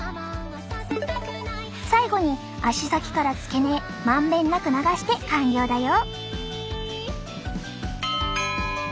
最後に足先から付け根へまんべんなく流して完了だよ。